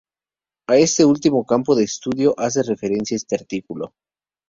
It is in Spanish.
A este último campo de estudio hace referencia este artículo.